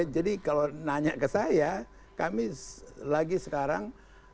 jadi kalau nanya ke saya kami lagi sekarang